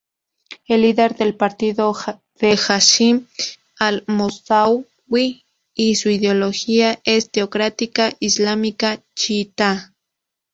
El líder del partido es Hashim Al-Mosawy y su ideología es teocrática islámica chiíta.